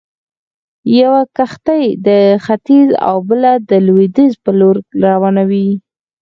يوه کښتۍ د ختيځ او بله د لويديځ پر لور روانوي.